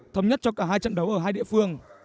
thống nhất cho cả hai trận đấu ở hai địa phương